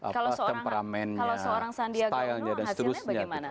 kalau seorang sandiaga uno hasilnya bagaimana